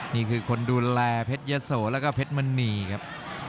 นี่คือคนดูแลเพชรยะโสแล้วก็เพชรมณีครับ